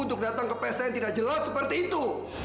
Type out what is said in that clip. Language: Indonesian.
untuk datang ke pesta yang tidak jelas seperti itu